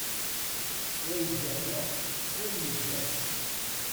Wa izerreε, wa imegger.